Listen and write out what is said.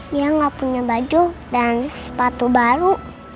dia nggak punya baju dan sepatu baru